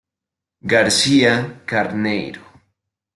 García Carneiro.